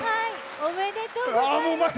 おめでとうございます。